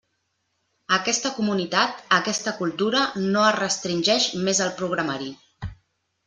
Aquesta comunitat, aquesta cultura, no es restringeix més al programari.